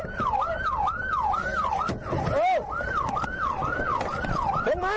นี่ลงมา